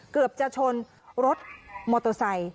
เกือบจะชนรถมอเตอร์ไซค์